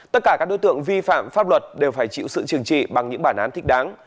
tất cả các đối tượng vi phạm pháp luật đều phải chịu sự trừng trị bằng những bản án thích đáng